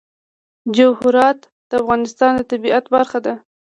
جواهرات د افغانستان د طبیعت برخه ده.